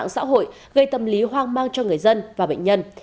xin chào các bạn